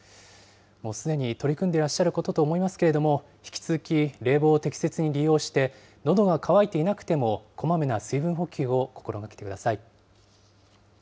もうすでに取り組んでいらっしゃることと思いますけれども、引き続き、冷房を適切に利用して、のどが渇いていなくてもこまめな水分補給を心がけてください。